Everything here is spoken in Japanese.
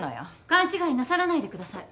勘違いなさらないでください。